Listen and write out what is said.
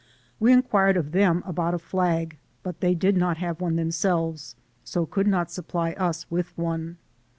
We inquired of them about a flag, but they did not have one themselves, so could not supply us with one.